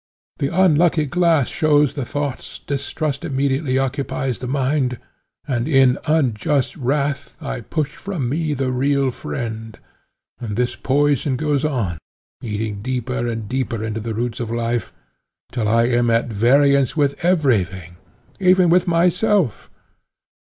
The unlucky glass shows the thoughts, distrust immediately occupies the mind, and in unjust wrath I push from me the real friend, and this poison goes on, eating deeper and deeper into the roots of life, till I am at variance with every thing, even with myself.